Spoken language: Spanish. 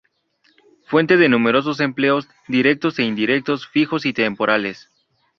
Fuente de numerosos empleos: Directos e indirectos, fijos y temporales.